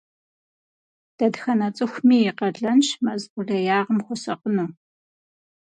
Дэтхэнэ цӀыхуми и къалэнщ мэз къулеягъым хуэсакъыну.